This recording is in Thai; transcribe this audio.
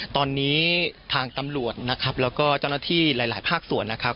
ตอนนี้ทางตำรวจนะครับแล้วก็เจ้าหน้าที่หลายภาคส่วนนะครับ